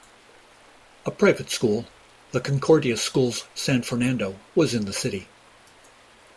A private school, The Concordia Schools San Fernando, was in the city.